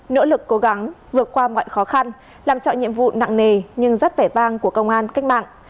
nỗ lực cố gắng vượt qua mọi khó khăn làm trọ nhiệm vụ nặng nề nhưng rất vẻ vang của công an cách mạng